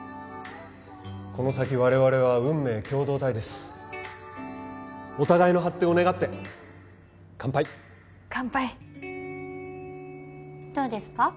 この先我々は運命共同体ですお互いの発展を願って乾杯乾杯どうですか？